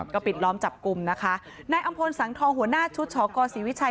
ก็ปิดล้อมจับกลุ่มนะคะนายอำพลสังทองหัวหน้าชุดชกศรีวิชัย